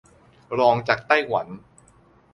รองจากไต้หวัน